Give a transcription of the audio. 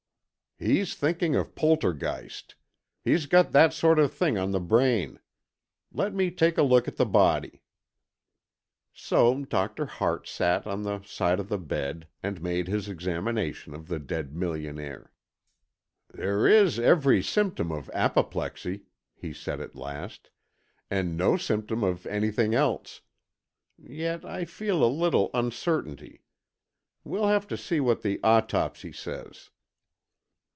"He's thinking of Poltergeist—he's got that sort of thing on the brain. Let me take a look at the body." So Doctor Hart sat on the side of the bed and made his examination of the dead millionaire. "There is every symptom of apoplexy," he said, at last, "and no symptom of anything else. Yet, I feel a little uncertainty. We'll have to see what the autopsy says."